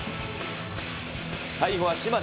最後は島根。